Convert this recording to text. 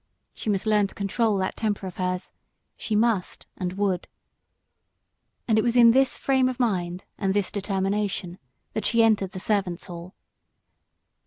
She must learn to control that temper of hers she must and would. And it was in this frame of mind and with this determination that she entered the servants' hall.